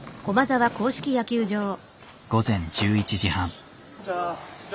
午前１１時半。